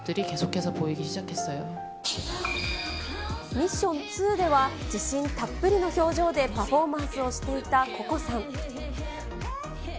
ミッション２では自信たっぷりの表情でパフォーマンスをしていたココさん。